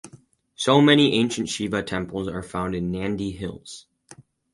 So many ancient Shiva temples are found in Nandhi Hills.